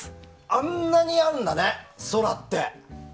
あんなにあるんだね、空って。